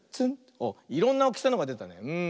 あっいろんなおおきさのがでたねうん。